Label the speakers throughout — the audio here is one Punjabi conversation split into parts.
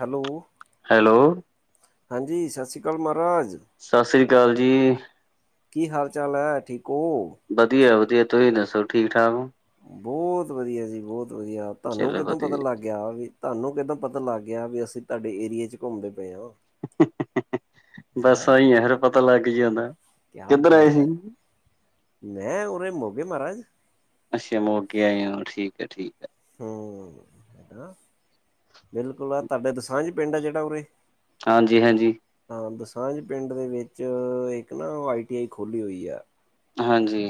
Speaker 1: ਹੈਲੋ।
Speaker 2: ਹੈਲੋ।
Speaker 1: ਹਾਂਜੀ, ਸਸ ਸ੍ਰੀ ਕਾਲ ਮਾਹਰਾਜ।
Speaker 2: ਸਸ ਸ੍ਰੀ ਕਾਲ ਜੀ।
Speaker 1: ਕੀ ਹਾਲ-ਚਾਲ ਐ, ਠੀਕ ਓ?
Speaker 2: ਬਧੀਆ ਵਧੀਐ। ਤੁਸੀਂ ਦੱਸੋ ਠੀਕ-ਠਾਕ ਓ?
Speaker 1: ਬੋਤ ਵਧੀਆ ਜੀ, ਬੋਤ ਵਧੀਆ। ਤਾਨੂੰ
Speaker 2: ਚਲੋ
Speaker 1: ਕਿੱਦੋਂ ਪਤਾ
Speaker 2: ਵਧੀਆ
Speaker 1: ਲੱਗ ਗਿਆ ਵੀ, ਤਾਨੂੰ ਕਿੱਦਾਂ ਪਤਾ ਲੱਗ ਗਿਆ ਵੀ ਅਸੀਂ ਤਾਡੇ ਏਰੀਏ 'ਚ ਘੁੰਮਦੇ ਪਏ ਆਂ।
Speaker 2: ਬਸ ਆ ਈ ਐਂ, ਫੇਰ ਪਤਾ ਲਗ ਈ ਯਾਂਦੈ।
Speaker 1: ਕਿਆ ਬਾਤ ਐ! ਮੈਂ ਉਰੇ ਮੋਗੇ ਮਾਹਰਾਜ।
Speaker 2: ਅੱਸ਼ਾ, ਮੋਗੇ ਆਏ ਓਂ, ਠੀਕ ਐ-ਠੀਕ ਐ।
Speaker 1: ਹੂੰ, ਹੈ ਨਾ। ਬਿਲਕੁਲ ਆ ਤਾਡੇ ਦੁਸਾਂਝ ਪਿੰਡ ਆ ਜੜਾ ਉਰੇ।
Speaker 2: ਹਾਂਜੀ-ਹਾਂਜੀ।
Speaker 1: ਆਂ, ਦੁਸਾਂਝ ਪਿੰਡ ਦੇ ਵਿੱਚ ਇੱਕ ਨਾ ਓ ਆਈ ਟੀ ਆਈ ਖੋਲੀ ਹੋਈ ਐ।
Speaker 2: ਅ ਹਾਂਜੀ।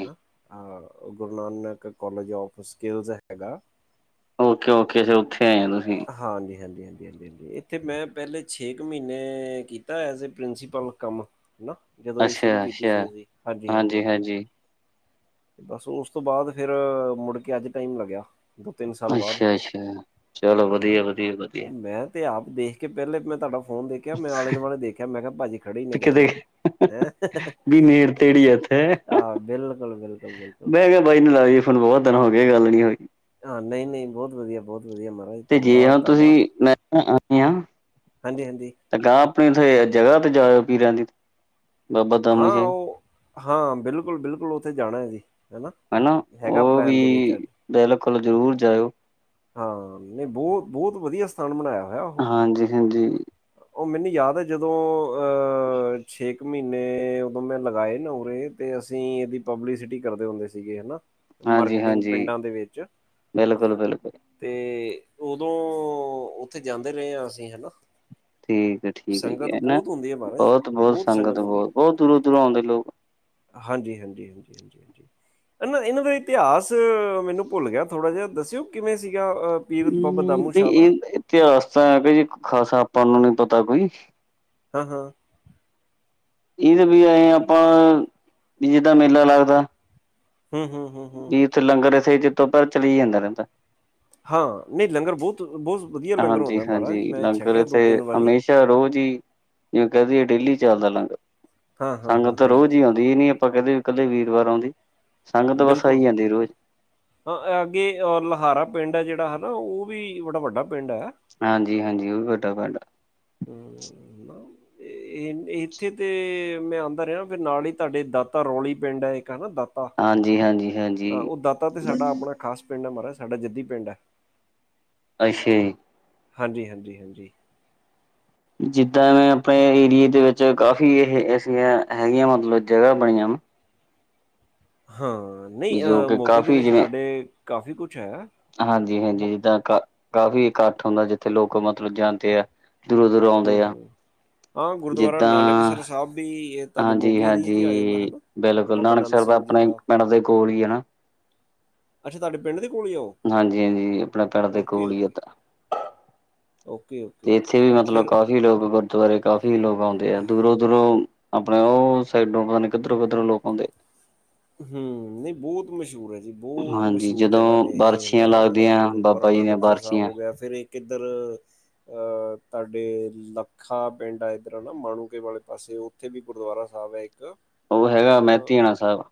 Speaker 1: ਆਹ Guru Nanak college of skills ਹੈਗਾ।
Speaker 2: ਓਕੇ-ਓਕੇ, ਅਸੀਂ ਉੱਥੇ ਆ ਜਾਣਾਂ ਸੀ।
Speaker 1: ਹਾਂਜੀ-ਹਾਂਜੀ-ਹਾਂਜੀ-ਹਾਂਜੀ-ਹਾਂਜੀ, ਇੱਥੇ ਮੈਂ ਪਹਿਲੇ ਛੇ ਕੁ ਮਹੀਨੇ ਕੀਤਾ ਐਜ਼ ਏ ਪ੍ਰਿੰਸੀਪਲ ਕੰਮ। ਹਨਾ ਜਦੋਂ ਇਹ ਸ਼ੁਰੂ
Speaker 2: ਅੱਛਾ
Speaker 1: ਕੀਤੀ
Speaker 2: ਅੱਛਾ
Speaker 1: ਸੀ ਅਸੀਂ,
Speaker 2: ਹਾਂਜੀ
Speaker 1: ਹਾਂਜੀ-ਹਾਂਜੀ-ਹਾਂਜੀ।
Speaker 2: ਹਾਂਜੀ
Speaker 1: ਤੇ ਬਸ ਉਸ ਤੋਂ ਬਾਅਦ ਫਿਰ ਮੁੜਕੇ ਅੱਜ ਟਾਇਮ ਲੱਗਿਆ। ਦੋ ਤਿੰਨ ਸਾਲ ਬਾਅਦ
Speaker 2: ਅੱਛਾ-ਅੱਛਾ, ਚਲੋ
Speaker 1: ਹਾਂ।
Speaker 2: ਵਧੀਆ-ਵਧੀਆ-ਵਧੀਆ।
Speaker 1: ਉਹ ਮੈਂ ਤੇ ਆਪ ਦੇਖ ਕੇ ਪਹਿਲੇ ਮੈਂ ਤੁਹਾਡਾ ਫੋਨ ਦੇਖ ਕਿਹਾ ਮੈਂ ਆਲੇ ਦੁਆਲੇ ਦੇਖਿਆ, ਮੈਂ ਕਿਹਾ ਭਾਜੀ ਖੜੇ ਈ ਨੇ ਕਿਤੇ।
Speaker 2: ਵੀ ਨੇੜ ਤੇੜੀ ਇੱਥੇ
Speaker 1: ਆਹ ਬਿਲਕੁਲ-ਬਿਲਕੁਲ-ਬਿਲਕੁਲ।
Speaker 2: ਮੈਂ ਕਿਹਾ ਬਾਈ ਨੂੰ ਲਾਈਏ ਫ਼ੋਨ, ਬਹੁਤ ਦਿਨ ਹੋਗੇ ਗੱਲ ਨੀ ਹੋਈ।
Speaker 1: ਹਾਂ ਨਈ-ਨਈ ਬਹੁਤ ਵਧੀਆ-ਬਹੁਤ ਵਧੀਆ ਮ
Speaker 2: ਤੇ ਜੇ ਹੁਣ ਤੁਸੀਂ [unintelligible]
Speaker 1: ਹਾਂਜੀ, ਹਾਂਜੀ।
Speaker 2: ਤਾਂ ਗਾਂ ਆਪਣੀਂ ਓਥੇ ਜਗਾ ਤੇ ਜਾਓ ਪੀਰਾਂ ਦੀ ਤੇ
Speaker 1: ਹਾਂ ਓ ਹਾਂ ਬਿਲਕੁਲ-ਬਿਲਕੁਲ ਉੱਥੇ ਜਾਣਾ ਏ ਜੀ।
Speaker 2: ਹਨਾ
Speaker 1: ਹੈਗਾ
Speaker 2: ਓ ਵੀ
Speaker 1: ਪਲੈਨ ਦੇ ਵਿੱਚ ਅੱਜ
Speaker 2: ਬਿਲਕੁਲ ਜ਼ਰੂਰ ਜਾਇਓ।
Speaker 1: ਹਾਂ ਨਈ ਬਹ-ਬਹੁਤ ਵਧੀਆ ਸਥਾਨ ਬਣਾਇਆ ਹੋਇਆ ਉਹ।
Speaker 2: ਹਾਂਜੀ ਹਾਂਜੀ
Speaker 1: ਓਰ ਮੈਨੂੰ ਯਾਦ ਆ ਜਦੋਂ ਅਹ ਛੇ ਕ ਨੇ ਉਦੋ ਮੈਂ ਲਗਾਏ ਨਾ ਉਰੇ, ਤੇ ਅਸੀਂ ਇਹਦੀ ਪਬਲਸਿਟੀ ਕਰਦੇ ਹੁੰਦੇ ਸੀਗੇ ਹਨਾ।
Speaker 2: ਹਾਂਜੀ
Speaker 1: ਮਾਰਕੀਟਿੰਗ
Speaker 2: ਹਾਂਜੀ
Speaker 1: ਪਿੰਡਾਂ ਦੇ ਵਿੱਚ
Speaker 2: ਬਿਲਕੁਲ ਬਿਲਕੁਲ
Speaker 1: ਤੇ ਉਦੋ ਉੱਥੇ ਜਾਂਦੇ ਰੇਅ ਆ ਅਸੀਂ ਹਨਾ।
Speaker 2: ਠੀਕ-ਠੀਕ,
Speaker 1: ਸੰਗਤ
Speaker 2: ਏ ਨਾ
Speaker 1: ਬਹੁਤ ਹੁੰਦੀ ਹੈ ਮਹਾਰਾਜ
Speaker 2: ਬਹੁਤ-ਬਹੁਤ
Speaker 1: ਬਹੁਤ
Speaker 2: ਸੰਗਤ ਬਹੁਤ-ਬਹੁਤ ਦੂਰੋਂ-ਦੂਰੋਂ ਆਉਂਦੇ ਲੋਕ
Speaker 1: ਹਾਂਜੀ-ਹਾਂਜੀ-ਹਾਂਜੀ। ਇਹ ਨਾ ਇਹਨਾਂ ਦਾ ਇਤਿਹਾਸ ਮੈਨੂੰ ਭੁੱਲ ਗਿਆ ਥੋੜਾ ਜਾ, ਦੱਸਿਓ ਕਿਵੇਂ ਸੀਗਾ ਅ ਪੀਰ ਬਾਬਾ
Speaker 2: ਹੂੰ
Speaker 1: ਦਾਮੂ ਸ਼ਾਹ ਦਾ
Speaker 2: ਇਹ ਇਤਿਹਾਸ ਤਾਂ ਬਈ ਖਾਸਾ ਆਪਾਂ ਨੂੰ ਨੀ ਪਤਾ ਬਈ।
Speaker 1: ਹਾਂ-ਹਾਂ।
Speaker 2: ਇਹ ਤੇ ਵੀ ਐ ਆਪਾਂ, ਵੀ ਜਿੱਦਾਂ ਮੇਲਾ ਲੱਗਦਾ।
Speaker 1: ਹੂੰ-ਹੂੰ-ਹੂੰ-ਹੂੰ।
Speaker 2: ਵੀ ਉੱਥੇ ਲੰਗਰ ਐਸੇ ਜੱਤੋ ਪੈਂਰ ਚਲੀ ਜਾਂਦਾ ਰਹਿੰਦਾ।
Speaker 1: ਹਾਂ ਨਈ ਲੰਗਰ ਬਹੁਤ-ਬਹੁਤ ਵਧੀਆ ਲੰਗਰ
Speaker 2: ਹਾਂਜੀ
Speaker 1: ਹੁੰਦਾ ਮਹਾਰਾਜ
Speaker 2: ਹਾਂਜੀ
Speaker 1: ਮੈਂ
Speaker 2: ਲੰਗਰ
Speaker 1: ਛਕਿਆ ਦੋ
Speaker 2: ਇੱਥੇ
Speaker 1: ਤਿੰਨ ਵਾਰੀ
Speaker 2: ਹਮੇਸ਼ਾ ਰੋਜ਼ ਈ ਜਿਵੇਂ ਕਹਿ ਦੀਏ ਡੇਲੀ ਚੱਲਦਾ ਲੰਗਰ,
Speaker 1: ਹਾਂ, ਹਾਂ, ਹਾਂ,
Speaker 2: ਸੰਗਤ ਤਾਂ
Speaker 1: ਹਾਂ,
Speaker 2: ਰੋਜ਼ ਈ ਆਉਂਦੀ ਇਹ ਨੀ ਅਪ ਆਪਾਂ ਕਹਿ ਦੀਏ ਵੀ ਕੱਲੇ ਵੀਰਵਾਰ ਆਉਂਦੀ। ਸੰਗਤ ਬਸ ਆਈ
Speaker 1: ਬਿਲਕੁਲ।
Speaker 2: ਜਾਂਦੀ ਰੋਜ਼
Speaker 1: ਹਾਂ ਐ ਅੱਗੇ ਅ ਲਹਾਰਾ ਪਿੰਡ ਐ ਜਿਹੜਾ ਹਨਾ, ਉਹ ਵੀ ਬੜਾ ਵੱਡਾ ਪਿੰਡ ਐ।
Speaker 2: ਹਾਂਜੀ-ਹਾਂਜੀ ਉਹ ਵੀ ਵੱਡਾ ਪਾਡਾ
Speaker 1: ਹੂੰ [unintelligible]
Speaker 2: [inaudible]
Speaker 1: ਇੱਥੇ ਤੇ ਮੈਂ ਆਦਾ ਰਿਹਾ, ਫਿਰ ਨਾਲ ਈ ਤੁਹਾਡੇ ਦਾਤਾ ਰੌਲੀ ਪਿੰਡ ਆ ਇੱਕ ਹਨਾ ਦਾਤਾ
Speaker 2: ਹਾਂਜੀ ਹਾਂਜੀ ਹਾਂਜੀ
Speaker 1: ਤਾਂ ਉਹ ਦਾਤਾ ਤੇ ਸਾਡਾ ਆਪਣਾ
Speaker 2: ਅੱਛਾ
Speaker 1: ਖ਼ਾਸ ਪਿੰਡ ਆ, ਮਹਾਰਾਜ ਸਾਡਾ ਜੱਦੀ ਪਿੰਡ ਆ।
Speaker 2: ਅੱਛਾ ਜੀ।
Speaker 1: ਹਾਂਜੀ-ਹਾਂਜੀ-ਹਾਂਜੀ।
Speaker 2: ਜਿੱਦਾਂ ਮੈਂ ਆਪਣੇ ਏਰੀਏ ਦੇ ਵਿੱਚ ਕਾਫੀ ਇਹ ਐਸੀਆਂ ਹੈਗੀਆਂ ਮਤਲਬ ਜਗਾ ਬਣੀਆਂ ਵਾ।
Speaker 1: ਹਾਂ
Speaker 2: ਵੀ
Speaker 1: ਨਈ
Speaker 2: ਜੋ ਕਿ
Speaker 1: ਮੋਗੇ ਦੇ
Speaker 2: ਕਾਫੀ
Speaker 1: ਵਿੱਚ ਤੁਹਾਡੇ ਕਾਫੀ ਕੁਛ ਹੈ।
Speaker 2: ਹਾਂਜੀ-ਹਾਂਜੀ
Speaker 1: ਹੁ
Speaker 2: ਜਿੱਦਾਂ ਕਾ ਕਾਫ਼ੀ ਇੱਕਠ ਹੁੰਦਾਂ, ਜਿੱਥੇ ਲੋਕ ਮਤਲਬ ਜਾਂਦੇ ਆ। ਦੂਰੋਂ-ਦੂਰੋਂ
Speaker 1: ਹੂੰ,
Speaker 2: ਆਉਂਦੇ ਆ।
Speaker 1: ਹੂੰ। ਹਾਂ ਗੁਰਦੁਆਰਾ
Speaker 2: ਜਿੱਦਾਂ
Speaker 1: ਨਾਨਕਸਰ ਸਾਹਿਬ ਵੀ ਇਹ ਤੁਹਾਡੇ
Speaker 2: ਹਾਂਜੀ
Speaker 1: ਮੋਗੇ ਏਰੀਏ 'ਚ ਹੀ ਆ ਜਾਂਦਾ
Speaker 2: ਹਾਂਜੀ
Speaker 1: ਹਨਾ।
Speaker 2: ਬਿਲਕੁਲ, ਨਾਨਕਸਰ ਤਾਂ ਆਪਣੇ ਪਿੰਡ ਦੇ ਕੋਲ ਆ ਹਨਾ।
Speaker 1: ਅੱਛਾ ਤੁਹਾਡੇ ਪਿੰਡ ਦੀ ਕੋਲ ਈ ਆ ਉਹ?
Speaker 2: ਹਾਂਜੀ-ਹਾਂਜੀ ਆਪਣੇ ਪਿੰਡ ਤੇ
Speaker 1: ਓਕੇ
Speaker 2: ਕੋਲ ਆ ਉਹ
Speaker 1: ਓਕੇ
Speaker 2: ਤਾਂ।
Speaker 1: ਓਕੇ ਓਕੇ
Speaker 2: ਤੇ
Speaker 1: ਓਕੇ
Speaker 2: ਇੱਥੇ ਵੀ
Speaker 1: ਓਕੇ
Speaker 2: ਮਤਲਬ
Speaker 1: ਫਿਰ
Speaker 2: ਕਾਫ਼ੀ ਲੋਕ ਗੁਰ ਗੁਰਦਵਾਰੇ ਕਾਫ਼ੀ ਲੋਕ ਆਉਂਦੇ ਆ ਦੂਰੋਂ-ਦੂਰੋਂ ਆਪਣੇ ਉਹ ਸਾਈਡੋ ਪਤਾ ਨੀ ਕਿੱਧਰੋਂ-ਕਿੱਧਰੋਂ ਲੋਕ ਆਉਂਦੇ।
Speaker 1: ਹਮ, ਨਹੀਂ ਬਹੁਤ ਮਸ਼ਹੂਰ ਹੈ ਜੀ। ਬਹੁਤ
Speaker 2: ਹਾਂਜੀ
Speaker 1: ਮਸ਼ਹੂਰ
Speaker 2: ਜਦੋਂ
Speaker 1: ਜਗ੍ਹਾ ਨੇ, ਇਹ
Speaker 2: ਬਾਰਸ਼ੀਆਂ ਲੱਗਦੀਆਂ
Speaker 1: ਹਨਾ ਗੁਰਦੁਆਰਾ
Speaker 2: ਬਾਬਾ ਜੀ ਦੀਆਂ
Speaker 1: ਨਾਨਕਸਰ ਸਾਹਿਬ
Speaker 2: ਬਾਰਸ਼ੀਆਂ
Speaker 1: ਹੋ ਗਿਆ ਫਿਰ ਇੱਕ ਕਿੱਧਰ ਅਹ ਤੁਹਾਡੇ ਲਕ ਖਾ ਪਿੰਡ ਇਹ ਇੱਧਰ ਨਾ ਮਾਣੂਕੇ ਵਾਲੇ ਪਾਸੇ, ਉੱਥੇ ਵੀ ਗੁਰਦੁਆਰਾ ਸਾਹਿਬ ਹੈ ਇੱਕ
Speaker 2: ਉਹ ਹੈਗਾ
Speaker 1: ਅ,
Speaker 2: ਮੈਂਧੀਆਂਣਾ ਸਾਹਿਬ।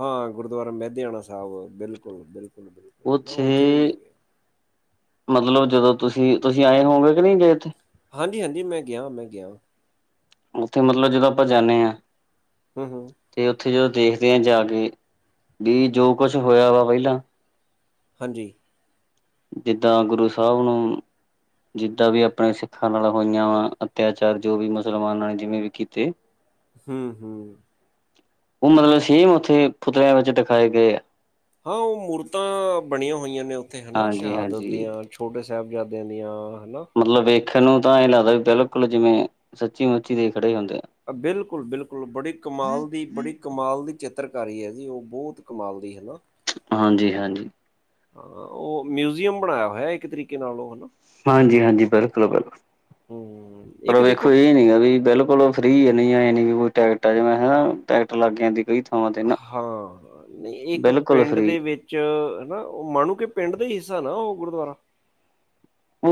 Speaker 1: ਹਾਂ ਗੁਰਦੁਆਰਾ ਮਹਿਧਿਆਣਾ ਸਾਹਿਬ ਬਿਲਕੁਲ, ਬਿਲਕੁਲ, ਬਿਲਕੁਲ। ਨਾ
Speaker 2: ਉੱਥੇ
Speaker 1: ਵੀ ਮੈਂ ਗਿਆ
Speaker 2: [inaudible] ਮਤਲਬ ਜਦੋਂ ਤੁਸੀਂ, ਤੁਸੀਂ ਆਏ ਹੋਗੇ ਕਿ ਨਹੀਂ ਏਥੇ।
Speaker 1: ਹਾਂਜੀ-ਹਾਂਜੀ ਮੈਂ ਗਿਆ, ਮੈਂ ਗਿਆ।
Speaker 2: ਉੱਥੇ ਮਤਲਬ ਜਦੋਂ ਆਪਾਂ ਜਾ ਨੇ ਆ।
Speaker 1: ਹਮ, ਹਮ
Speaker 2: ਤੇ ਉੱਥੇ ਜਦੋਂ ਦੇਖਦੇ ਆ ਜਾ ਕੇ, ਵੀ ਜੋ ਕੁਛ ਹੋਇਆ ਵਾ ਪਹਿਲਾਂ
Speaker 1: ਹਾਂਜੀ।
Speaker 2: ਜਿੱਦਾਂ ਗੁਰੂ ਸਾਹਿਬ ਨੂੰ ਜਿੱਦਾਂ ਵੀ ਆਪਣੇ ਸਿੱਖਾਂ ਨਾਲ ਹੋਈਆਂ ਵਾ ਅੱਤਿਆਚਾਰ ਜੋ ਵੀ ਮੁਸਲਮਾਨਾਂ ਨੇ ਜਿਵੇਂ ਵੀ ਕੀਤੇ [inaudible]
Speaker 1: ਹਮ, ਹਮ।
Speaker 2: ਉਹ ਮਤਲਬ ਸੇਮ ਉੱਥੇ ਪੁਤਲਿਆਂ ਵਿੱਚ ਦਿਖਾਏ ਗਏ ਆ।
Speaker 1: ਹਾਂ ਉਹ ਮੂਰਤਾਂ ਬਣੀਆਂ ਹੋਈਆਂ ਨੇ ਉੱਥੇ ਹੈਨਾ ਸ਼ਹਾਦਤ
Speaker 2: ਹਾਂਜੀ-ਹਾਂਜੀ
Speaker 1: ਦੀਆਂ। ਛੋਟੇ ਸਾਹਿਬਜ਼ਾਦਿਆਂ ਦੀਆਂ ਹੈਨਾ।
Speaker 2: ਮਤਲਬ ਵੇਖਣ ਨੂੰ ਤਾਂ ਇਹ ਲੱਗਦਾ ਵੀ ਬਿਲਕੁਲ ਜਿਵੇਂ ਸੱਚੀ ਮੁੱਚੀ ਦੇ ਖੜੇ ਹੀ ਹੁੰਦੇ ਆ।
Speaker 1: ਬਿਲਕੁਲ, ਬਿਲਕੁਲ ਬੜੀ ਕਮਾਲ ਦੀ ਬੜੀ ਕਮਾਲ ਦੀ ਚਿੱਤਰਕਾਰੀ ਐ ਜੀ, ਉਹ ਬਹੁਤ ਕਮਾਲ ਦੀ ਹੈਨਾ।
Speaker 2: ਹਾਂਜੀ-ਹਾਂਜੀ।
Speaker 1: ਆ ਉਹ ਮਿਊਜ਼ਅਮ ਬਣਾਇਆ ਹੋਇਆ ਇੱਕ ਤਰੀਕੇ ਨਾਲ ਉਹ ਹੈਨਾ।
Speaker 2: ਹਾਂਜੀ-ਹਾਂਜੀ ਬਿਲਕੁਲ-ਬਿਲਕੁਲ
Speaker 1: ਹੂੰ,
Speaker 2: ਪਰ
Speaker 1: ਇੱਕ ਦੇਖੋ
Speaker 2: ਵੇਖੋ ਇਹ ਨੀ ਆ ਵੀ ਬਿਲਕੁਲ ਫਰੀ ਆ ਨਈ ਏ ਨੀ ਵੀ ਟੈਕਟ ਜਵਾਂ ਟੈਕਟ ਲੱਗ ਜਾਂਦੀ ਥਾਵਾਂ ਤੇ ਨਾ
Speaker 1: ਹਾਂ, ਨਹੀਂ ਇੱਕ
Speaker 2: ਬਿਲਕੁਲ
Speaker 1: ਪਿੰਡ
Speaker 2: ਫ੍ਰਰੀ
Speaker 1: ਦੇ ਵਿੱਚ ਚ ਉਹ ਮਾਣੂੰਕੇ ਪਿੰਡ ਦਾ ਹਿੱਸਾ ਨਾ ਉਹ ਗੁਰਦੁਆਰਾ
Speaker 2: ਓ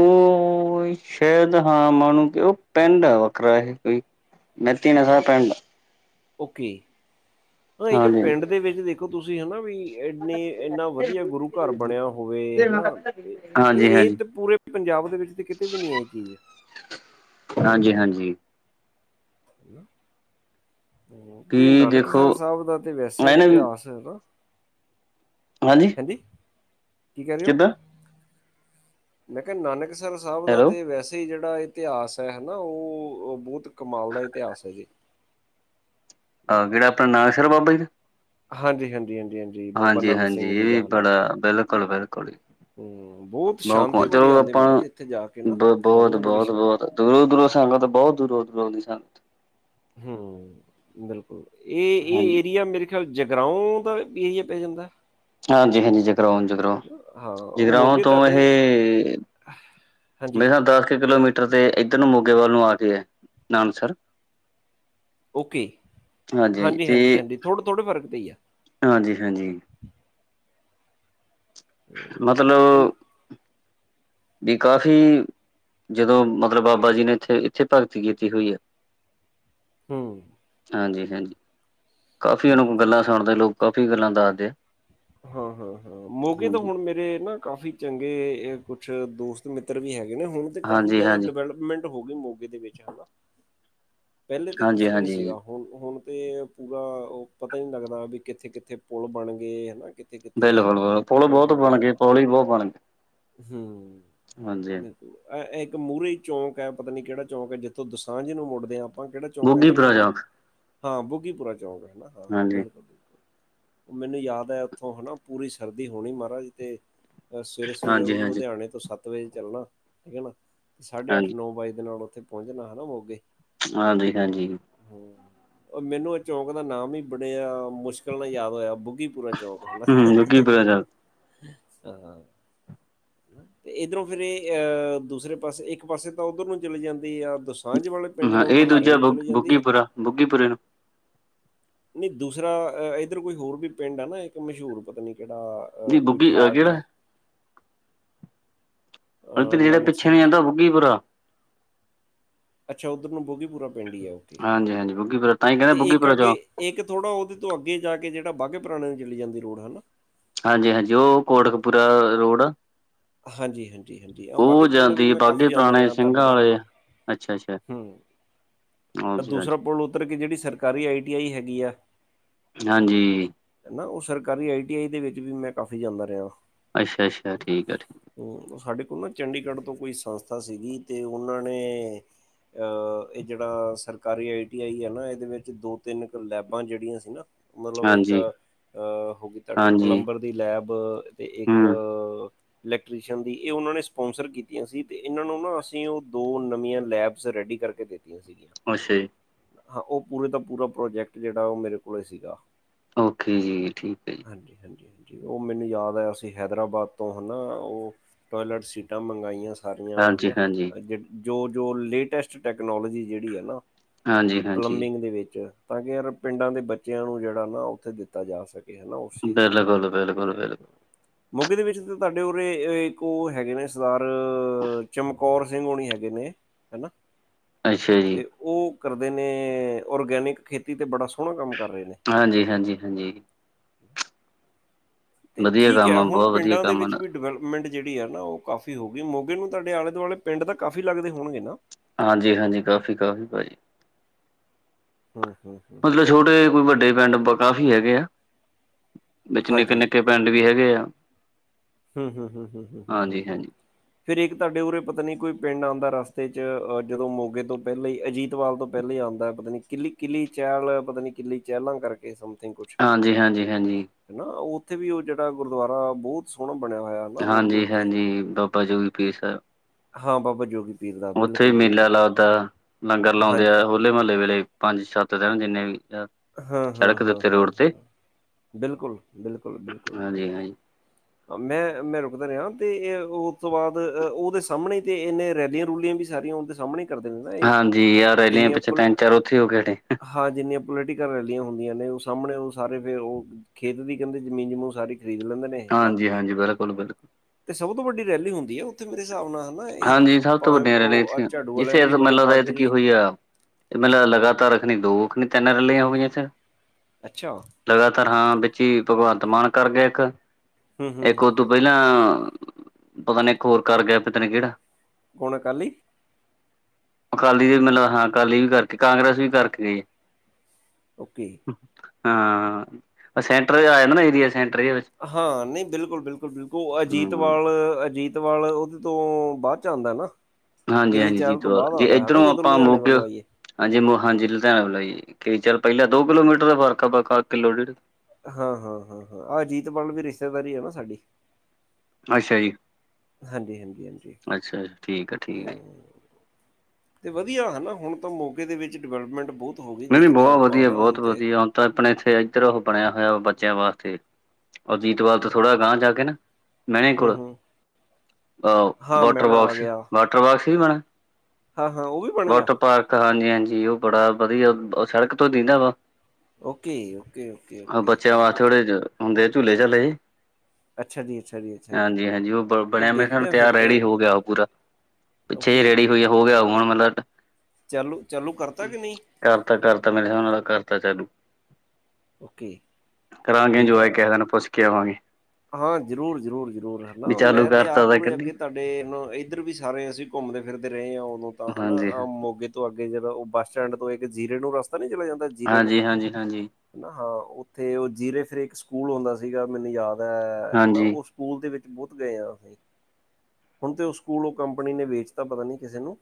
Speaker 2: ਕੋਈ ਸ਼ਹਿਦ ਹਾਂ ਮਾਣੂੰਕੇ ਪਿੰਡ ਆ ਵੱਖਰਾ ਏਹੇ ਕੋਈ ਮੈਤੀਆ ਪਿੰਡ
Speaker 1: ਓਕੇ, ਹਾਂ ਇੱਕ
Speaker 2: ਹਾਂਜੀ
Speaker 1: ਪਿੰਡ ਦੇ ਵਿੱਚ ਦੇਖੋ ਤੁਸੀਂ ਹੈਨਾ ਵੀ ਇਨੀ ਇੰਨਾ ਵਧੀਆ ਗੁਰੂ ਘਰ ਬਣਿਆ ਹੋਵੇ ਹੈਨਾ ਤੇ ਇਹ, ਇਹ
Speaker 2: ਹਾਂਜੀ-ਹਾਂਜੀ।
Speaker 1: ਤੇ ਪੂਰੇ ਪੰਜਾਬ ਦੇ ਵਿੱਚ ਤਾਂ ਕਿਤੇ ਵੀ ਨਹੀਂ ਐ ਇਹ ਚੀਜ਼
Speaker 2: [inaudible] ਹਾਂਜੀ-ਹਾਂਜੀ।
Speaker 1: [inaudible] ਤੇ
Speaker 2: ਕੀ ਦੇਖੋ
Speaker 1: ਨਾਨਕਸਰ ਸਾਹਿਬ ਦਾ ਤੇ
Speaker 2: ਐ
Speaker 1: ਵੈਸੇ
Speaker 2: ਨਾ ਵੀ
Speaker 1: ਇਤਿਹਾਸ ਹੈਨਾ
Speaker 2: ਹਾਜੀ
Speaker 1: ਹਾਂਜੀ [inaudible] ਕੀ ਕਹਿ ਰਹੇ ਓ [inaudible] ਮੈਂ ਕਿਹਾ ਨਾਨਕ ਅੰਮ੍ਰਿਤ ਸਾਹਬ ਦਾ
Speaker 2: ਹੈਲੋ
Speaker 1: ਤੇ ਵੈਸੇ ਈ ਜਿਹੜਾ ਇਤਿਹਾਸ ਹੈ ਨਾ ਉਹ ਬਹੁਤ ਕਮਾਲ ਦਾ ਇਤਿਹਾਸ ਐ ਜੀ।
Speaker 2: ਆਹ ਜਿਹੜਾ ਆਪਣਾ ਨਾਨਕਸਰ ਬਾਬਾ ਜੀ ਦਾ
Speaker 1: ਹਾਂਜੀ-ਹਾਂਜੀ-ਹਾਂਜੀ-ਹਾਂਜੀ,
Speaker 2: ਹਾਂਜੀ-ਹਾਂਜੀ, ਪੜਾ ਬਿਲਕੁਲ-ਬਿਲਕੁਲ
Speaker 1: ਹਮ, ਬਹੁਤ ਸ਼ਾਂਤੀ ਬੜੀ
Speaker 2: ਚਲੋ
Speaker 1: ਆਉਂਦੀ
Speaker 2: ਆਪਾਂ,
Speaker 1: ਮਹਾਰਾਜ ਇੱਥੇ ਜਾ ਕੇ ਨਾ
Speaker 2: ਬ
Speaker 1: ਮਨ ਨੂੰ ਬੜੀ ਸ਼ਾਂਤੀ
Speaker 2: ਬੋਤ-ਬੋਤ-ਬੋਤ ਦੂਰੋਂ-ਦੂਰੋਂ ਸੰਗਤ ਬੋਤ ਦੂਰੋਂ ਦੂਰੋਂ ਉਨਦੀ ਸੰਗਤ
Speaker 1: ਹੂੰ ਬਿਲਕੁਲ ਇਹ ਇਹ
Speaker 2: ਹਾਂਜੀ
Speaker 1: ਏਰੀਆ ਮੇਰੇ ਅੱਜ ਕੱਲ ਜਗਰਾਓ ਦਾ ਏਰੀਆ ਪੈ ਜਾਂਦਾ
Speaker 2: ਹਾਂਜੀ-ਹਾਂਜੀ ਜਗਰਾਓ-ਜਗਰਾਓ,
Speaker 1: ਹਾਂ,
Speaker 2: ਜਗਰਾਓ
Speaker 1: ਮੋਗੇ
Speaker 2: ਤੋਂ ਇਹ
Speaker 1: ਤੁਹਾਡੇ ਹਾਂਜੀ,
Speaker 2: ਮੈਂ ਕਿ ਦਸ ਕੁ ਕਿਲੋਮੀਟ ਟਰ ਤੇ ਇੱਧਰ ਨੂੰ ਮੋਗੇ ਵੱਲ ਨੂੰ ਆਜੇ ਏ, ਨਾਨਕਸਰ
Speaker 1: ਓਕੇ,
Speaker 2: ਹਾਂਜੀ-ਹਾਂਜੀ ਤੇ
Speaker 1: ਹਾਂਜੀ-ਹਾਂਜੀ-ਹਾਂਜੀ ਥੋੜ੍ਹੇ-ਥੋੜ੍ਹੇ ਫਰਕ ਤੇ ਈ ਆ
Speaker 2: ਹਾਂਜੀ-ਹਾਂਜੀ।
Speaker 1: ਅਮ,
Speaker 2: ਮਤਲਬ ਵੀ ਕਾਫ਼ੀ, ਜਦੋਂ ਮਤਲਬ ਬਾਬਾ ਜੀ ਨੇ ਇੱਥੇ-ਇੱਥੇ ਭਗਤੀ ਕੀਤੀ ਹੋਈ ਆ‌। [inaudible]
Speaker 1: ਹੂੰ,
Speaker 2: ਹਾਂਜੀ-ਹਾਂਜੀ, ਕਾਫੀ
Speaker 1: ਹੂੰ,
Speaker 2: ਔਨੂੰ ਗੱਲਾ ਸੁਣਦੇ ਲੋਕ ਕਾਫੀ ਗੱਲਾਂ ਦੱਸਦੇ ਆ।
Speaker 1: ਹਾਂ-ਹਾਂ-ਹਾਂ ਮੋਗੇ ਤੋ ਹੁਣ ਮੇਰੇ ਨਾ ਕਾਫੀ ਚੰਗੇ ਕੁਛ ਦੋਸਤ ਮਿੱਤਰ ਵੀ ਹੈਗੇ ਨੇ ਹੁਣ ਤੇ ਕਾਫੀ ਜ਼ਿਆਦਾ
Speaker 2: ਹਾਂਜੀ-ਹਾਂਜੀ
Speaker 1: ਡਿਵੈਲਪਮੈਂਟ ਹੋ ਗਏ ਮੋਗੇ ਦੇ ਵਿੱਚ ਹਨਾ ਪਹਿਲੇ ਤੇ ਕੁਛ ਵੀ ਨੀ
Speaker 2: ਹਾਂਜੀ-ਹਾਂਜੀ,
Speaker 1: ਸੀਗਾ। ਹੁਣ ਹੁਣ ਤੇ ਪੂਰਾ ਉਹ ਪਤਾ ਈ ਨੀ ਲੱਗਦਾ ਵੀ ਕਿੱਥੇ ਕਿੱਥੇ ਪੁਲ ਬਣ ਗਏ ਹਨਾ ਕਿ
Speaker 2: ਬਿਲਕੁਲ ਪੁਲ ਬੋਤ ਬਣ ਗਏ ਪੁਲ ਈ ਬੋਤ ਬਣ ਗਏ।
Speaker 1: ਹੂੰ,
Speaker 2: ਹਾਜੀ,
Speaker 1: ਇੱਕ ਮੂਹਰੇ ਚੌਕ ਆ ਪਤਾ ਨੀ ਕਿਹੜਾ ਚੌਕ ਆ ਜਿੱਥੋ ਦੁਸਾਝ ਨੂੰ ਮੁੜਦੇ ਆ ਆਪਾ ਆਪਾ ਕਿਹੜਾ ਚੌਕ
Speaker 2: ਗੁੱਗੀ
Speaker 1: ਕਹਿੰਦੇ ਨੇ ਉਹਨੂੰ,
Speaker 2: ਪ੍ਰਜਾ
Speaker 1: ਹਾਂ ਬੁਗੀਪੁਰਾ ਚੌਕ ਆ ਨਾ ਹਾ
Speaker 2: ਹਾਂਜੀ,
Speaker 1: ਬਿਲਕੁਲ ਉਹ ਮੈਨੂੰ ਯਾਦ ਆ ਉੱਥੋ ਹਨਾ ਪੂਰੀ ਸਰਦੀ ਹੋਣੀ ਮਹਾਰਾਜ ਦੇ ਸਵੇਰੇ ਸਵੇਰੇ ਉਰੋ
Speaker 2: ਹਾਂਜੀ-ਹਾਂਜੀ,
Speaker 1: ਲੁਧਿਆਣੇ ਤੋ ਸੱਤ ਵਜੇ ਚੱਲਣਾ ਠੀਕ ਆ ਨਾ ਸਾਢੇ ਅੱਠ
Speaker 2: ਹਾਂਜੀ,
Speaker 1: ਨੌ ਵਜੇ ਦੇ ਨਾਲ ਉੱਥੇ ਪਹੁੰਚ ਜਾਣਾ ਹਨਾ ਮੋਗੇ
Speaker 2: ਹਾਂਜੀ-ਹਾਂਜੀ,
Speaker 1: ਹੂੰ ਮੈਨੂੰ ਇਹ ਚੌਕ ਦਾ ਨਾਮ ਨੀ ਬੜੇ ਆ ਮੁਸ਼ਕਿਲ ਨਾਲ ਯਾਦ ਹੋਇਆ ਬੁੱਗੀਪੁਰਾ ਚੌਕ ਚੌਕ
Speaker 2: ਹੂੰ ਗੁੱਗੀਪੁਰਾ
Speaker 1: ਹਨਾ
Speaker 2: ਜਾ
Speaker 1: ਹਾ, ਇੱਧਰੋ ਫਿਰ ਇਹ ਅਹ ਦੂਸਰੇ ਪਾਸੇ ਇੱਕ ਪਾਸੇ ਤਾ ਉੱਧਰ ਨੂੰ ਚਲੀ ਜਾਦੀ ਆ ਦੋਸਾਂਝ ਵਾਲੇ ਪਿੰਡ
Speaker 2: ਹਾ
Speaker 1: ਨੂੰ
Speaker 2: ਇਹ
Speaker 1: ਲਹਾਰੇ
Speaker 2: ਦੂਜਾ
Speaker 1: ਨੂੰ
Speaker 2: ਬੁ
Speaker 1: ਚਲੇ ਜਾਂਦੀ ਆ
Speaker 2: ਬੁੱਗੀਪੁਰਾ ਬੁੱਗੀਪੁਰੇ ਨੂੰ
Speaker 1: ਨਹੀ ਦੂਸਰਾ ਅ ਇੱਧਰ ਕੋਈ ਹੋਰ ਵੀ ਪਿੰਡ ਆ ਨਾ ਇੱਕ ਮਸ਼ਹੂਰ ਪਤਾ ਨੀ ਕਿਹੜਾ
Speaker 2: ਜੀ
Speaker 1: ਕੋਈ
Speaker 2: ਬੁੱਗੀ
Speaker 1: ਠਾਠ ਆ
Speaker 2: ਕਿਹੜਾ
Speaker 1: ਅਹ,
Speaker 2: ਅੰਤਰੀਏ ਦੇ ਪਿੱਛੇ
Speaker 1: ਨਾਨਕਸਰ
Speaker 2: ਨੂੰ
Speaker 1: ਦੀ
Speaker 2: ਜਾਦਾ ਉਹ ਬੁੱਗੀਪੁਰਾ ਆ
Speaker 1: ਅੱਛਾ ਉੱਧਰ ਨੂੰ ਬੁੱਗੀਪੁਰਾ ਪਿੰਡ ਈ ਆ, ਓਕੇ
Speaker 2: ਹਾਂਜੀ-ਹਾਂਜੀ ਬੁੱਗੀਪੁਰਾ ਤਾਂ ਹੀ ਕਹਿੰਦੇ
Speaker 1: ਤੇ ਇੱਕ
Speaker 2: ਬੁੱਗੀਪੁਰਾ
Speaker 1: ਅੱਗੇ
Speaker 2: ਚੌਂਕ
Speaker 1: ਇੱਕ ਥੋੜ੍ਹਾ ਉਹਦੇ ਤੋ ਅੱਗੇ ਜਾ ਕੇ ਜਿਹੜਾ ਬਾਘੇ ਪੁਰਾਣੇ ਨੂੰ ਚਲੀ ਜਾਦੀ ਰੋਡ ਹਨਾ,
Speaker 2: ਹਾਜੀ-ਹਾਜੀ ਉਹ ਕੋਟਕਪੁਰਾ ਰੋਡ
Speaker 1: ਹਾਜੀ-ਹਾਜੀ-ਹਾਜੀ ਆਹ ਬਾਘੇ
Speaker 2: ਉਹ
Speaker 1: ਪੁਰਾਣੇ ਵੀ
Speaker 2: ਜਾਂਦੀ
Speaker 1: ਮੈ ਕਾਫੀ
Speaker 2: ਬਾਘੇ
Speaker 1: ਜਾਦਾ
Speaker 2: ਪੁਰਾਣੇ
Speaker 1: ਰਿਆ ਤੁਹਾਡੇ
Speaker 2: ਸਿੰਘਾਂ
Speaker 1: ਤਾ
Speaker 2: ਆਲੇ
Speaker 1: ਹੁਣ
Speaker 2: ਅੱਛਾ-ਅੱਛਾ,
Speaker 1: ਹੂੰ ਦੂਸਰਾ
Speaker 2: ਹਾਂਜੀ-ਹਾਂਜੀ,
Speaker 1: ਪੁੱਲ ਉੱਤਰ ਕੇ ਜਿਹੜੀ ਸਰਕਾਰੀ ਆਈ ਟੀ ਆਈ ਹੈਗੀ ਆ।
Speaker 2: ਹਾਂਜੀ
Speaker 1: ਨਾ ਉਹ ਸਰਕਾਰੀ ਆਈ ਟੀ ਆਈ ਦੇ ਵਿੱਚ ਵੀ ਮੈ ਕਾਫੀ ਜਾਦਾ ਰਿਆ।
Speaker 2: ਅੱਛਾ-ਅੱਛਾ ਠੀਕ ਆ ਠੀਕ
Speaker 1: ਸਾਡੇ ਕੋਲ ਨਾ ਚੰਡੀਗੜ੍ਹ ਤੋ ਕੋਈ ਸੰਸਥਾ ਸੀਗੀ ਤੇ ਓਨਾ ਨੇ ਅ ਏ ਜੇੜਾ ਸਰਕਾਰੀ ਆਈ ਟੀ ਆਈ ਐਨਾ ਏਦੇ ਵਿੱਚ ਦੋ-ਤਿੰਨ ਕੁ ਲੈਬਾ ਜੇੜੀਆਂ ਸੀ ਨਾ ਮਤਲਬ ਏਕ ਅਹ ਹੋਗੀ ਤਾਡੀ
Speaker 2: ਹਾਂਜੀ-ਹਾਂਜੀ
Speaker 1: ਪਲੰਬਰ ਦੀ ਲੈਬ ਤੇ ਇੱਕ
Speaker 2: ਹੂੰ
Speaker 1: ਇਲੈਕਟ੍ਰੀਸ਼ਨ ਦੀ ਏ ਓਨਾ ਨੇ ਸਪੋਂਸਰ ਕੀਤੀਆਂ ਸੀ ਤੇ ਈਨਾ ਨੂੰ ਨਾ ਅਸੀ ਓਦੋ ਨਵੀਆਂ ਲੈਬਸ ਰੈਡੀ ਕਰਕੇ ਦਿੱ- ਤੀਆ ਸੀਗੀਆ।
Speaker 2: ਅੱਸ਼ੇ।
Speaker 1: ਹਾਂ, ਓ ਪੂਰੇ ਦਾ ਪੂਰਾ ਪ੍ਰੋਜੈਕਟ ਜੇੜਾ ਓ ਮੇਰੇ ਕੋਲ ਈ ਸੀਗਾ।
Speaker 2: ਓਕੇ, ਠੀਕ ਆ ਜੀ।
Speaker 1: ਹੰਜੀ-ਹੰਜੀ। ਓ ਮੈਨੂੰ ਯਾਦ ਆਯਾ ਅਸੀ ਹੈਦਰਾਬਾਦ ਤੋ ਹਨਾ, ਓ ਟੋਇਲਟ ਸੀਟਾ ਮੰਗਾਈਆ ਸੀ। ਸਾਰੀਆ
Speaker 2: ਹੈ ਜੀ ਹਾਂਜੀ
Speaker 1: ਹਨਾ,
Speaker 2: ਹਾਂਜੀ
Speaker 1: ਜੋ-ਜੋ ਲੇਟੈਸਟ ਟੈਕਨੋਲੋਜੀ ਜੇੜੀ ਹੈ ਨਾ
Speaker 2: ਹਾਂਜੀ ਹਾਂਜੀ
Speaker 1: ਪਲੰਬਿੰਗ ਦੇ ਵਿੱਚ ਤਾਕਿ ਯਾਰ ਪਿੰਡਾ ਦੇ ਬੱਚੇਆ ਨੂੰ ਜੇੜਾ ਨਾ ਓਥੇ ਦਿੱਤਾ ਜਾ ਸਕੇ। ਹਨਾ ਉਸ ਚੀਜ਼ ਦਾ
Speaker 2: ਬੇਲਕੁਲ-ਬੇਲਕੁਲ, ਬੇਲ
Speaker 1: ਮੋਗੇ ਦੇ ਵਿੱਚ ਤਾ ਤਾਡੇ ਉਰੇ ਇੱਕ ਓ ਹੈਗੇ ਨੇ ਸਰਦਾਰ ਚਮਕੌਰ ਸਿੰਘ ਹੋਣੀ ਹੈਗੇ ਨੇ ਹੈਨਾ?
Speaker 2: ਅਸ਼ਾ ਜੀ।
Speaker 1: ਓ ਕਰਦੇ ਨੇ ਓਰਗੈਨਿਕ ਖੇਤੀ ਤੇ ਬੜਾ ਸੋਣਾ ਕੰਮ ਕਰ ਰੇਨੇ।
Speaker 2: ਹਾਂਜੀ-ਹਾਂਜੀ-ਹਾਂਜੀ।
Speaker 1: ਤੇ
Speaker 2: ਵਧੀਆ ਕੰਮ
Speaker 1: ਠੀਕੈ
Speaker 2: ਆ
Speaker 1: ਹੁਣ
Speaker 2: ਬਹੁਤ ਵਧੀਆ
Speaker 1: ਪਿੰਡਾ ਦੇ
Speaker 2: ਕੰਮ ਆ
Speaker 1: ਵਿੱਚ
Speaker 2: ਨਾ।
Speaker 1: ਵੀ ਡਿਵੈਲਪਮੈਂਟ ਜੇੜੀ ਆ ਨਾ ਉਓ ਕਾਫੀ ਹੋ ਗਈ। ਮੋਗੇ ਨੂੰ ਤੁਆਡੇ ਆਲੇ-ਦੁਆਲੇ ਪਿੰਡ ਤਾ ਕਾਫੀ ਲੱਗਦੇ ਹੋਣਗੇ ਨਾ?
Speaker 2: ਹਾਂਜੀ-ਹਾਂਜੀ, ਕਾਫੀ-ਕਾਫੀ ਭਾਜੀ।
Speaker 1: ਹੂੰ-ਹੂੰ।
Speaker 2: ਮਤਲਬ ਛੋਟੇ ਕੋਈ ਵੱਡੇ ਪਿੰਡ ਕਾਫੀ ਹੈਗੇ ਆ, ਵਿੱਚ
Speaker 1: ਹਾਂਜੀ
Speaker 2: ਨਿੱਕੇ-ਨਿੱਕੇ। ਪੇਂਡ ਵੀ ਹੈਗੇ ਆ। ਹਾਂਜੀ
Speaker 1: ਹੂੰ-ਹੂੰ-ਹੂੰ-ਹੂੰ-ਹੂੰ-ਹੂੰ-ਹੂੰ।
Speaker 2: ਹਾਂਜੀ
Speaker 1: ਫਿਰ ਇੱਕ ਤੁਆਡੇ ਉਰੇ ਪਤਾ ਨੀ ਕੋਈ ਪਿੰਡ ਆਂਦਾ ਰਸਤੇ ਚ ਅ ਜਦੋਂ ਮੋਗੇ ਤੋਂ ਪੈਲਾਂ ਈ ਅਜੀਤਵਾਲ ਤੋਂ ਪੈਲਾਂ ਈ ਆਂਦੈ ਪਤਾ ਨੀ ਕਿੱਲੀ ਕਿਲੀ ਚੈਲ ਪਤਾ ਨੀ ਕਿੱਲੀ ਚੈਲਾਂ ਕਰਕੇ ਸਮਥਿੰਗ ਕੁਛ
Speaker 2: ਹਾਂਜੀ-ਹਾਂਜੀ-ਹਾਂਜੀ।
Speaker 1: ਹਨਾ, ਓਥੇ ਵੀ ਓ ਜੇੜਾ ਗੁਰਦੁਆਰਾ ਬੋਤ ਸੋਣਾ ਬਣੇਆ ਹੋਯਾ।
Speaker 2: ਹਾਂਜੀ-ਹਾਂਜੀ, ਬਾਬਾ ਜੋਗੀ ਪੀਰ ਸੈਬ।
Speaker 1: ਹਾਂ, ਬਾਬਾ ਜੋਗੀ ਪੀਰ ਦਾ
Speaker 2: ਓਥੇ
Speaker 1: ਬਿਲਕੁਲ
Speaker 2: ਵੀ ਮੇਲਾ
Speaker 1: ਬਿਲਕੁਲ ਬਿਲਕੁਲ
Speaker 2: ਲੱਗਦਾ, ਲੰਗਰ ਲਾਉਂਦੇ ਆ।
Speaker 1: ਹਾਂਜੀ
Speaker 2: ਹੌਲੇ ਮਹੱਲੇ ਵੇਲੇ ਪੰਜ-ਸੱਤ ਦੇਨ ਜਿੰਨੇ ਵੀ। ਸੜਕ ਦੇ ਉੱਤੇ ਰੋਡ ਤੇ
Speaker 1: ਹਾਂ-ਹਾਂ-ਹਾਂ-ਹਾਂ-ਹਾਂ,
Speaker 2: ਹਾਂਜੀ
Speaker 1: ਬਿਲਕੁਲ-ਬਿਲਕੁਲ-ਬਿਲਕੁਲ-ਬਿਲਕੁਲ।
Speaker 2: ਹਾਂਜੀ
Speaker 1: ਮੈਂ-ਮੈਂ ਰੁਕਦਾ ਰੇਆ ਤੇ ਉਸ ਤੋਂ ਬਾਦ ਓਦੇ ਸਾਮਣੇ ਤੇ ਏਨੇ ਰੈਲੀਆਂ-ਰੂਲੀਆਂ ਵੀ ਸਾਰੀਆਂ ਓੰਦੇ ਸਾਮਣੇ
Speaker 2: ਹਾਂਜੀ, ਏ ਰੈਲੀਆਂ ਪਿੱਛੇ ਤਿੰਨ-ਚਾਰ ਓਥੇ ਹੋਕੇੇ ਹਟੇ।
Speaker 1: ਹਾਂ, ਜਿੰਨੀ ਪੋਲੀਟੀਕਲ ਰੈਲੀਆਂ ਹੁੰਦੀਆਂ ਨੇ ਓ ਸਾਮਣੇ ਓ ਸਾਰੇ ਫੇਰ ਓ ਖੇਤ ਦੀ ਜਮੀਨ-ਜਮੂਨ ਸਾਰੀ ਖਰੀਦ ਲੈਂਦੇ ਨੇ। ਹਨਾ
Speaker 2: ਹਾਂਜੀ-ਹਾਂਜੀ, ਬੇਲਕੁਲ-ਬੇਲਕੁਲ।
Speaker 1: ਤੇ ਸਬ ਤੋਂ ਵੱਡੀ ਰੈਲੀ ਹੁੰਦੀਆ ਓਥੇ, ਮੇਰੇ ਸਾਬ ਨਾਲ? ਹਨਾ
Speaker 2: ਹਾਂਜੀ,
Speaker 1: ਇਹ
Speaker 2: ਸਬ ਤੋਂ
Speaker 1: ਭਾਵੇਂ
Speaker 2: ਵੱਡੀਆਂ ਰੈਲੀਆਂ
Speaker 1: ਉਹ ਅੱਜ
Speaker 2: ਇੱਥੇ
Speaker 1: ਝਾੜੂ ਵਾਲਿਆਂ
Speaker 2: ਜਿੱਥੇ
Speaker 1: ਦੀ ਹੋਏ
Speaker 2: ਮਤਲਬ
Speaker 1: ਪਾਰਟੀ
Speaker 2: ਐਤਕੀ
Speaker 1: ਦੀ
Speaker 2: ਹੋਈ ਆ। ਮੈਨੂੰ ਲੱਗਦਾ ਲਗਾਤਾਰ ਦੋ ਕੇ ਤੇਂਨ ਰੈਲੀਆ ਹੋ ਗਈਆਂ ਏਥੇ ਤਾਂ।
Speaker 1: ਅੱਛਾ।
Speaker 2: ਤਰਾ-ਤਾਰ ਬਚੀ ਤੋ ਬਆਦ ਭਗਵੰਤ ਮਾਨ ਕਰ ਗਿਆ ਇੱਕ,
Speaker 1: ਹੂੰ, ਹੂੰ
Speaker 2: ਇੱਕ ਤੋਂ ਪਹਿਲਾਂ, ਪਤਾ ਨ ਇੱਕ ਹੋਰ ਕਰ ਗਿਆ ਪਤਾ ਨੀ ਕਿਹੜਾ
Speaker 1: ਕੋਣ ਅਕਾਲੀ?
Speaker 2: ਅਕਾਲੀ ਵੀ ਮੈਨੂੰ ਲੱਗਦਾ ਹਾਂ ਅਕਾਲੀ ਵੀ ਕਰਕੇ ਕਾਂਗਰਸ ਵੀ ਕਰਕੇ ਗਈ ਏ।
Speaker 1: ਓਕੇ।
Speaker 2: ਹਾਂ ਸੈਂਟਰ ਚ ਆ ਜਾਂਦਾ ਨਾ ਏਰੀਆ ਸੈਂਟਰ ਦੇ ਵਿੱਚ
Speaker 1: ਹਾਂ ਨਈ ਬਿਲਕੁਲ- ਬਿਲਕੁਲ -ਬਿਲਕੁਲ
Speaker 2: ਹੂੰ।
Speaker 1: ਅਜੀਤਵਾਲ ਅਜੀਤ ਵਾਲ ਉਹਦੇ ਤੋਂ ਬਾਅਦ ਚ ਆਦਾ ਨਾ।
Speaker 2: ਹਾਂਜੀ-
Speaker 1: ਕਿਲੀ
Speaker 2: ਹਾਂਜੀ
Speaker 1: ਚਹਿਲ ਤੋਂ
Speaker 2: ਅਜੀਤਵਾਲ
Speaker 1: ਬਾਅਦ
Speaker 2: ਜੇ
Speaker 1: ਆਉਂਦਾ ਹੈ ਨਾ
Speaker 2: ਇੱਧਰੋਂ
Speaker 1: ਜਦੋਂ
Speaker 2: ਆਪਾਂ
Speaker 1: ਲੁਧਿਆਣੇ
Speaker 2: ਮੋਗੇ
Speaker 1: ਵੱਲੋਂ ਆਈਏ
Speaker 2: ਹਾਂਜੀ ਮ ਹਾਂਜੀ ਲੁਧਿਆਣਾ ਵੱਲੋਂ ਜੀ ਕਈ ਚਾਰ ਪਹਿਲਾਂ ਦੋ ਕਿਲੋਮੀਟਰ ਦਾ ਫਰਕਾ ਬਾਕਾ ਕਿੱਲੋ ਡੇਢ
Speaker 1: ਹਾਂ- ਹਾਂ -ਹਾਂ -ਹਾਂਹ ਅਜੀਤ ਬਾਲ ਵੀ ਰਿਸ਼ਤੇਦਾਰੀ ਆ ਨਾ ਸਾਡੀ।
Speaker 2: ਅੱਛਾ ਜੀ।
Speaker 1: ਹਾਂਜੀ- ਹਾਂਜੀ -ਹਾਂਜੀ।
Speaker 2: ਅੱਛਾ ਠੀਕ ਆ ਠੀਕ ਆ
Speaker 1: ਹੋ ਤੇ ਵਧੀਆ ਹਨ ਨਾ ਹੁਣ ਤਾਂ ਮੌਗੇ ਦੇ ਵਿੱਚ ਡਿਵੈਲਪਮੈਂਟ ਬਹੁਤ ਹੋ ਗਈ
Speaker 2: ਨਈ -ਨਈ
Speaker 1: ਦੇਖਦੇ ਹਾਂ
Speaker 2: ਬਹੁਤ
Speaker 1: ਆਪਾਂ
Speaker 2: ਵਧੀਆ
Speaker 1: ਹਨਾ ਹੁਣ
Speaker 2: ਬਹੁਤ
Speaker 1: ਤੇ
Speaker 2: ਵਧੀਆ ਹੁਣ ਤਾਂ ਆਪਣੇ ਇੱਥੇ ਇੱਧਰ ਉਹ ਬਣਿਆ ਹੋਇਆ ਵਾ ਬੱਚਿਆਂ ਵਾਸਤੇ ਅਜੀਤਵਾਲ ਤਾਂ ਥੋੜਾ ਅਗਾਹ ਜਾ ਕੇ ਨਾ ਮੈਣੇ
Speaker 1: ਹੂੰ
Speaker 2: ਕੋਲ
Speaker 1: ਹੂੰ
Speaker 2: ਅ
Speaker 1: ਹਾਂ
Speaker 2: ਵਾਟਰ
Speaker 1: ਮਹਿਣਾ ਆ
Speaker 2: ਬੋਕਸ
Speaker 1: ਗਿਆ
Speaker 2: ਵਾਟਰ [unintelligible]
Speaker 1: ਹਾਂ ਹਾਂ ਉਹ ਵੀ ਬਣ ਗਿਆ
Speaker 2: ਵਾਟਰ ਪਾਰਕ ਹਾਂਜੀ -ਹਾਂਜੀ ਉਹ ਬੜਾ ਵਧੀਆ ਓ ਸੜਕ ਤੋਂ ਦੀਦਾ ਵਾ,
Speaker 1: ਓਕੇ ਓਕੇ ਓਕੇ
Speaker 2: ਅ
Speaker 1: ਓਕੇ
Speaker 2: ਬੱਚਿਆਂ ਵਾਸਤੇ ਥੋੜ ਜ ਹੁੰਦੇ ਝੂਲੇ -ਝਾਲੇ ਜੇ
Speaker 1: ਅੱਛਾ ਜੀ ਅੱਛਾ ਜੀ ਅੱਛਾ
Speaker 2: ਹਾਂਜੀ -ਹਾਂਜੀ ਉਹ ਬ ਬਣਿਆ ਮੈ ਖਾਹ
Speaker 1: ਦੇਖਦੇ ਆ
Speaker 2: ਤਿਆਰ
Speaker 1: ਫਿਰ ਤੇ
Speaker 2: ਰੈਡੀ ਹੋ ਗਿਆ ਉਹ ਪੂਰਾ ਪਿੱਛੇ ਜੇ
Speaker 1: ਓਕੇ
Speaker 2: ਰੈਡੀ ਈ
Speaker 1: ਓਕੇ
Speaker 2: ਹੋਈ ਏ, ਹੋ ਗਿਆ ਹੁਣ ਮਤਲਬ
Speaker 1: ਚਾਲੂ -ਚਾਲੂ ਕਰਤਾ ਕਿ ਨੀ?
Speaker 2: ਕਰਤਾ -ਕਰਤਾ ਮੇਰੇ ਹਿਸਾਬ ਨਾਲ ਤਾ ਕਰਤਾ ਚਾਲੂ।
Speaker 1: ਓਕੇ।
Speaker 2: ਕਰਾਂਗੇ
Speaker 1: ਠੀਕ
Speaker 2: ਇਨਜੋਏ
Speaker 1: ਹੈ
Speaker 2: ਕੈ ਦਿਨ ਪੁੱਛ ਕੇ ਆਵਾਂਗੇ।
Speaker 1: ਹਾਂ ਜ਼ਰੂਰ- ਜ਼ਰੂਰ, ਜ਼ਰੂਰ
Speaker 2: ਵੀ
Speaker 1: ਹੈਲੋ
Speaker 2: ਚਾਲੂ
Speaker 1: ਮੈਂ ਤੇ
Speaker 2: ਕਰਤਾ
Speaker 1: ਆਪ
Speaker 2: ਤਾਂ
Speaker 1: ਪੂਰੇ
Speaker 2: ਕੱਲੀ
Speaker 1: ਅੱਗੇ ਤੁਹਾਡੇ ਕੇ ਇਨੂੰ ਇੱਧਰ ਵੀ ਸਾਰੇ ਅਸੀਂ ਘੁੰਮਦੇ ਫਿਰਦੇ ਰਹੇ ਹਾਂ ਉਦੋਂ ਤਾਂ ਹਨਾ
Speaker 2: ਹਾਂਜੀ
Speaker 1: ਆ ਮੋਗੇ ਤੋਂ ਅੱਗੇ ਜਿਹੜਾ ਉਹ ਬੱਸ ਸਟੈਂਡ ਤੋਂ ਇੱਕ ਜੀਰੇ ਨੂੰ ਰਸਤਾ ਨੀ ਚਲਾ ਜਾਂਦਾ
Speaker 2: ਹਾਂਜੀ -ਹਾਂਜੀ -ਹਾਂਜੀ।
Speaker 1: ਹੈ ਨਾ ਹਾਂ ਉੱਥੇ ਜੀਰੇ ਫਿਰ ਇੱਕ ਸਕੂਲ ਹੁੰਦਾ ਸੀਗਾ ਮੈਨੂੰ ਯਾਦ ਐ ਹੈ ਨਾ
Speaker 2: ਹਾਂਜੀ
Speaker 1: ਉਸ ਸਕੂਲ ਦੇ ਵਿੱਚ ਬਹੁਤ ਗਏ ਆ ਉੱਥੇ। ਹੁਣ ਤੇ ਓ ਸਕੂਲ ਉਹ ਕੰਪਨੀ ਨੇ ਵੇਚਤਾ ਪਤਾ ਨੀ ਕਿਸੇ ਨੇ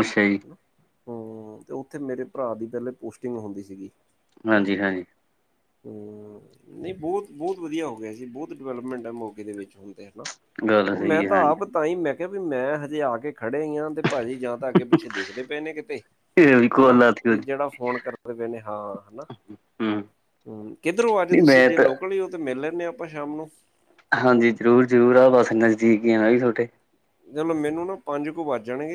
Speaker 2: ਅੱਛਾ ਜੀ।
Speaker 1: ਹਮ ਤੇ ਉੱਥੇ ਮੇਰੇ ਭਰਾ ਦੀ ਪਹਿਲੇ ਪੋਸਟਿੰਗ ਹੁੰਦੀ ਸੀਗੀ। ਹਨਾ
Speaker 2: ਹਾਂਜੀ- ਹਾਂਜੀ।
Speaker 1: ਹੂੰ ਨਈ ਬਹੁਤ- ਬਹੁਤ ਵਧੀਆ ਹੋ ਗਿਆ ਬਹੁਤ ਡਿਵੈਲਪਮੈਂਟ ਹੈ ਮੋਗੇ ਵਿੱਚ ਹੁਣ ਤੇ ਹਨਾ,
Speaker 2: ਗੱਲ
Speaker 1: ਉਹ ਮੈਂ
Speaker 2: ਸਹੀ ਹੈ
Speaker 1: ਤਾਂ
Speaker 2: ਹਾਂਜੀ
Speaker 1: ਆਪ ਤਾਂ ਹੀ ਮੈਂ ਕਿਹਾ ਵੀ ਮੈਂ ਹਜੇ ਆ ਕੇ ਖੜੇ ਈ ਆ ਤੇ ਭਾਜੀ ਜਾਂ ਤਾਂ ਅੱਗੇ-ਪਿੱਛੇ ਦੇਖਦੇ ਪਏ ਨੇ ਕਿਤੇ
Speaker 2: ਇਹ ਵੀ
Speaker 1: ਹਨਾ।
Speaker 2: ਕੋਲ
Speaker 1: ਓ
Speaker 2: ਲਾਤੀ
Speaker 1: ਵੀ
Speaker 2: ਉਹਦੀ
Speaker 1: ਜਿਹੜਾ ਫੋਨ ਕਰਦੇ ਪਏ ਹਾਂ ਹਨਾ।
Speaker 2: ਹਮ
Speaker 1: ਹਮ ਕਿੱਧਰੋਂ ਅੱਜ
Speaker 2: ਨਹੀਂ
Speaker 1: ਤੁਸੀਂ
Speaker 2: ਮੈਂ
Speaker 1: ਜੇ
Speaker 2: ਤਾਂ
Speaker 1: ਲੋਕਲ ਈ ਓ, ਤਾਂ ਮਿਲ ਲੈਂਦੇ ਹ ਆਪਾਂ ਸ਼ਾਮ ਨੂੰ?
Speaker 2: ਹਾਂਜੀ ਜ਼ਰੂਰ- ਜ਼ਰੂਰ ਆ ਬਸ ਨਜ਼ਦੀਕ ਈ ਆ ਮੈਂ ਵੀ ਤੁਆਡੇ
Speaker 1: ਚਲੋ ਮੈਨੂੰ ਨਾ ਪੰਜ ਕੁ ਵੱਜ ਜਾਣੇ